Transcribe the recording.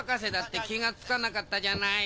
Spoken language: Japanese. てきがつかなかったじゃない！